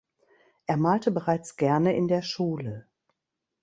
Er malte bereits gerne in der Schule.